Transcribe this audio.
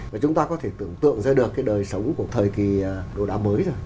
và chúng ta có thể tưởng tượng ra được cái đời sống của thời kỳ đồ đạ mới rồi